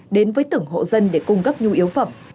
đến với từng hộ dân để cung cấp nhu yếu phẩm